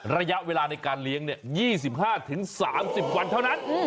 ระยะเวลาในการเลี้ยง๒๕๓๐วันเท่านั้น